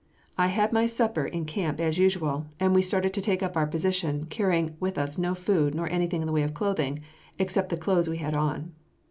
I had my supper in camp as usual, and we started to take up our position, carrying with us no food, nor anything in the way of clothing, except the clothes we had on.